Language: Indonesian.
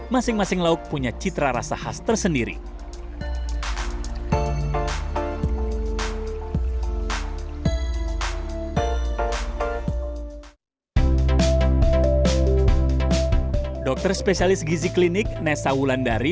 masing masing lauk punya citra rasa khas tersendiri